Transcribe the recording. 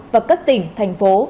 và các tỉnh thành phố